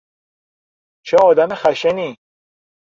چه آدم خشنی!